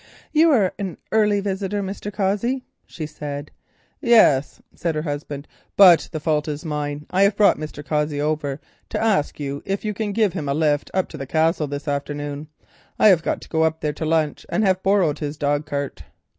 "You are an early visitor, Mr. Cossey," she said. "Yes," said her husband, "but the fault is mine. I have brought Mr. Cossey over to ask if you can give him a lift up to the Castle this afternoon. I have to go there to lunch, and have borrowed his dogcart."